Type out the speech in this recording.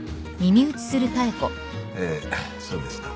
ええそうですか。